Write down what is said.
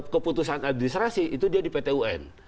keputusan administrasi itu dia di pt un